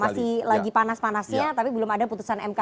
masih lagi panas panasnya tapi belum ada putusan mk